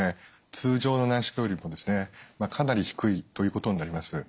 通常の内視鏡よりもかなり低いということになります。